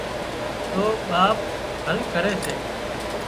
تو ٻاپ حل ڪري سي